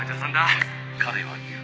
彼は言う。